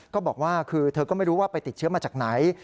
ก็บอกว่าคือเธอก็ไม่รู้ว่าไปติดเชื้อมาจากไหน